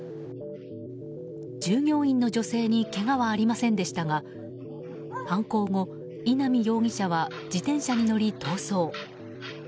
従業員の女性にけがはありませんでしたが犯行後、稲見容疑者は自転車に乗り逃走。